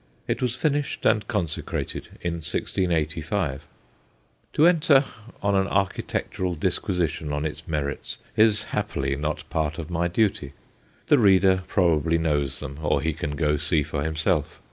It was finished and consecrated in 1685. To enter on an architectural disquisition on its merits is happily not part of my duty. The reader probably knows them, or he can go see for himself.